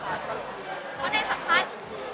เพราะในสัมภาษณ์